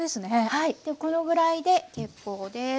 はいこのぐらいで結構です。